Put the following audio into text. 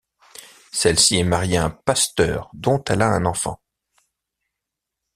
Celle-ci est mariée à un pasteur, dont elle a un enfant.